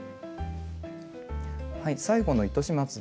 最後の糸始末です。